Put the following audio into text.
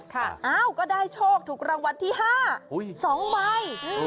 อ้าวก็ได้โชคถูกรางวัลที่๕๒ใบ